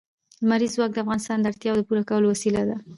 لمریز ځواک د افغانانو د اړتیاوو د پوره کولو وسیله ده.